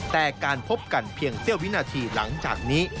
แต่การพบกันเพียงเสี้ยววินาทีหลังจากนี้